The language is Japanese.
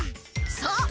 そう！